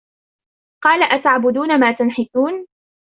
قَالَ أَتَعْبُدُونَ مَا تَنْحِتُونَ